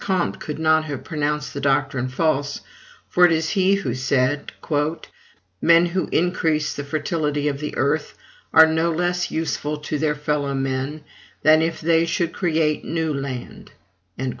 Comte could not have pronounced this doctrine false, for it was he who said: "Men who increase the fertility of the earth are no less useful to their fellow men, than if they should create new land."